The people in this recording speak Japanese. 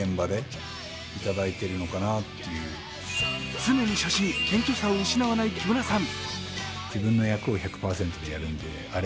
常に初心・謙虚さを失わない木村さん。